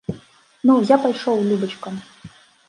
Ну, я пайшоў, любачка!